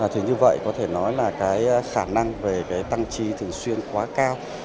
thì như vậy có thể nói là khả năng về tăng chi thường xuyên quá cao